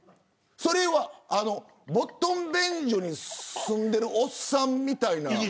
それはボットン便所に住んでるおっさんみたいな。